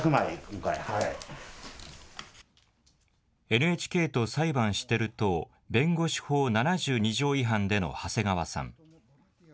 ＮＨＫと裁判してる党弁護士法７２条違反での長谷川さん。